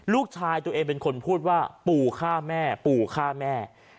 ลูกชายตัวเองเป็นคนพูดว่าปู่ฆ่าแม่